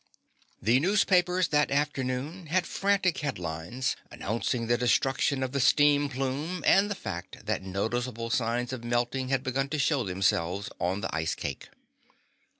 The newspapers that afternoon had frantic headlines announcing the destruction of the steam plume and the fact that noticeable signs of melting had begun to show themselves on the ice cake.